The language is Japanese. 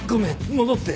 戻って。